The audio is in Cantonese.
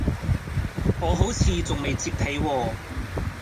我好似仲未摺被喎